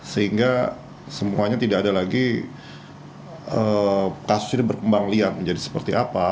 sehingga semuanya tidak ada lagi kasus ini berkembang lihat menjadi seperti apa